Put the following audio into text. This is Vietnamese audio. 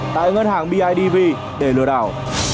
tại ngân hàng bidv để lừa đảo